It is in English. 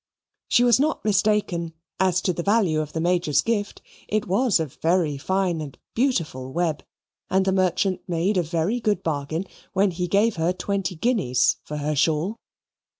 She was not mistaken as to the value of the Major's gift. It was a very fine and beautiful web, and the merchant made a very good bargain when he gave her twenty guineas for her shawl.